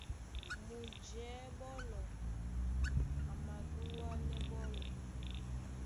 Mujɛ̌ɓólɔ a madúánɛ́ ɓɔ́lɔ̄.